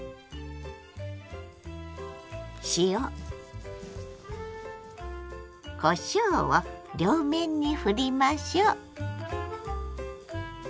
塩こしょうを両面にふりましょう。